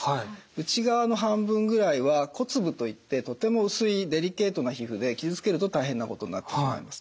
内側の半分ぐらいは骨部といってとても薄いデリケートな皮膚で傷つけると大変なことになってしまいます。